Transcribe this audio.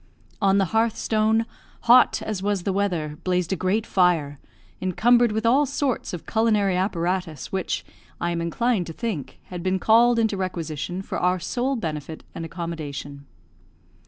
On the hearth stone, hot as was the weather, blazed a great fire, encumbered with all sorts of culinary apparatus, which, I am inclined to think, had been called into requisition for our sole benefit and accommodation.